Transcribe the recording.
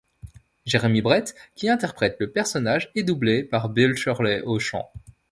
Jeremy Brett, qui interprète le personnage, est doublé par Bill Shirley au chant.